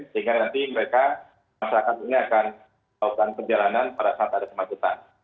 sehingga nanti mereka masyarakat ini akan melakukan perjalanan pada saat ada kemacetan